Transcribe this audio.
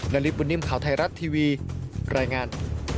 นาริสบุญนิ่มข่าวไทยรัฐทีวีรายงาน